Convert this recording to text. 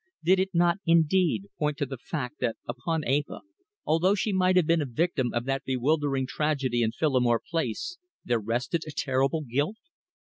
Did it not, indeed, point to the fact that upon Eva, although she might have been a victim of that bewildering tragedy in Phillimore Place, there rested a terrible guilt?